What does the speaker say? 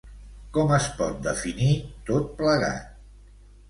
Com es pot definir tot plegat?